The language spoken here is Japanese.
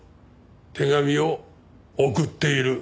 手紙を送っている。